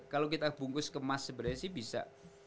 kalau kita bungkus kemas sebenarnya sih bisa